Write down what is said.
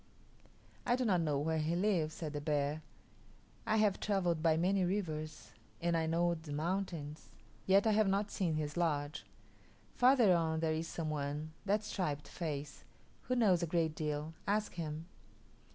"I do not know where he lives," said the bear. "I have travelled by many rivers and I know the mountains, yet I have not seen his lodge. Farther on there is some one that striped face who knows a great deal; ask him."